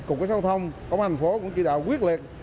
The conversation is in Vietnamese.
cục sáu thông công hành phố cũng chỉ đạo quyết liệt